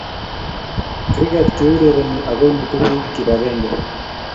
Kriket keurerenii ako imutuu biik kibakenge.